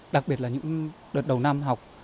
đặc biệt là những đợt đầu năm học